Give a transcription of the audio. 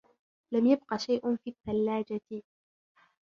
لم يبقَ شيء في الثلاجة.